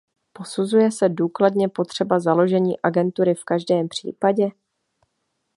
Posuzuje se důkladně potřeba založení agentury v každém případě?